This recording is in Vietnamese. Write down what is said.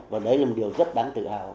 và đấy là một điều rất đáng tự hào